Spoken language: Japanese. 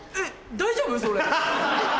大丈夫です。